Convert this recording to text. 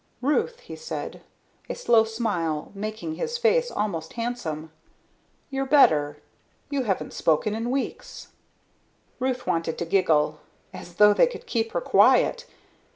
"Ruth," he said, a slow smile making his face almost handsome, "you're better. You haven't spoken in weeks." Ruth wanted to giggle. As though they could keep her quiet.